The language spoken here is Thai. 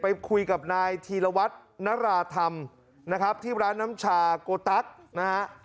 ไปคุยกับนายธีรวัตรนราธรรมนะครับที่ร้านน้ำชาโกตั๊กนะฮะ